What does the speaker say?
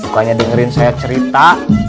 bukannya dengerin saya cerita